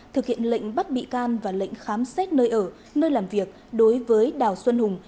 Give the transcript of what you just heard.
thực hiện lệnh bắt bị can và lệnh khám xét nơi ở nơi làm việc đối với đào xuân hùng